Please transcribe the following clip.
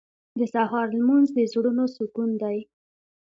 • د سهار لمونځ د زړونو سکون دی.